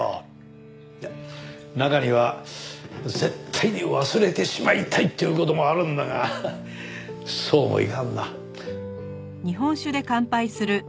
中には絶対に忘れてしまいたいっていう事もあるんだがそうもいかんな。